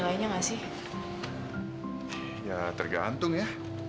saya gak mau tahu gimana caranya